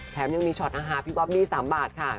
แถมยังมีช็อตอาหารพี่บ๊อบบี้๓บาทค่ะ